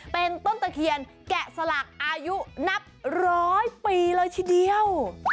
เป็นต้นตะเคียนแกะสลักอายุนับร้อยปีเลยทีเดียว